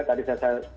tadi saya backup